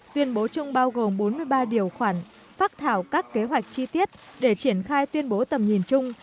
tuyên bố chung bao gồm bốn mươi ba điều khoản phác thảo các kế hoạch chi tiết để triển khai tuyên bố tầm nhìn chung